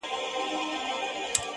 هغه مي سرې سترگي زغملای نسي’